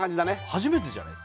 初めてじゃない？